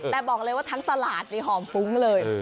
แต่บอกเลยว่าทั้งตลาดนี่หอมฟุ้งเลย